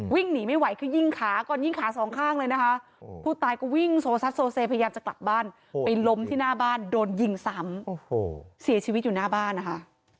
วิ่งหนีไม่ไหวคือยิงขาก่อนยิงขาสองข้างเลยนะคะผู้ตายก็วิ่งโซซัดโซเซพยายามจะกลับบ้านไปล้มที่หน้าบ้านโดนยิงซ้ำเสียชีวิตอยู่หน้าบ้านนะคะ